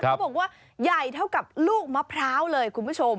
เขาบอกว่าใหญ่เท่ากับลูกมะพร้าวเลยคุณผู้ชม